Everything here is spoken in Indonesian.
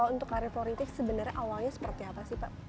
untuk hari politik sebenarnya awalnya seperti apa sih pak